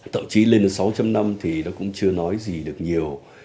tạo trí lên đến sáu năm thì nó cũng chưa nói gì được nhiều